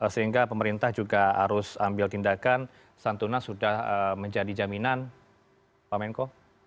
sehingga pemerintah juga harus ambil tindakan santunan sudah menjadi jaminan pak menko